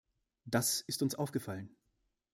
Das ist uns aufgefallen.